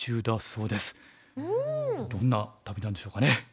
どんな旅なんでしょうかね。